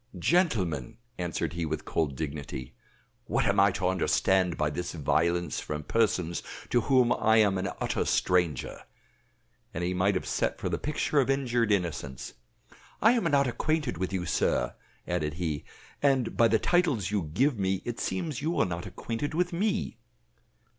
"Gentlemen," answered he with cold dignity, "what am I to understand by this violence from persons to whom I am an utter stranger?" and he might have set for the picture of injured innocence. "I am not acquainted with you, sir," added he; "and by the titles you give me it seems you are not acquainted with me."